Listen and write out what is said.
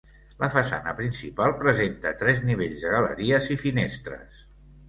La façana principal presenta tres nivells de galeries i finestres.